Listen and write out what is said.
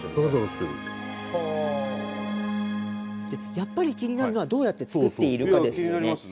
やっぱり気になるのはどうやって作っているかですよね。